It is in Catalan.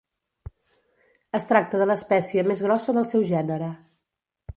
Es tracta de l'espècie més grossa del seu gènere.